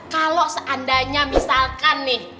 kalau seandainya misalkan nih